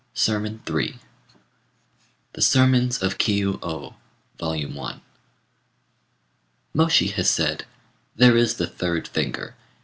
SERMON III (THE SERMONS OF KIU Ô, VOL. 1) Môshi has said, "There is the third finger.